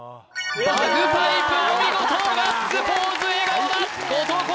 バグパイプお見事ガッツポーズ笑顔だ後藤弘